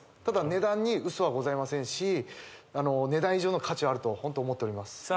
ただ値段に嘘はございませんし値段以上の価値はあるとホント思っております